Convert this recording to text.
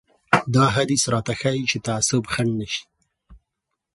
دا حديث راته ښيي چې تعصب خنډ نه شي.